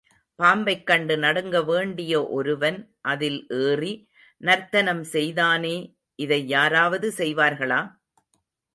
பாம்பைக் கண்டு நடுங்க வேண்டிய ஒருவன் அதில் ஏறி நர்த்தனம் செய்தானே இதை யாராவது செய்வார்களா?